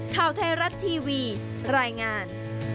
ข่าวไทยรัฐทีวีรายงาน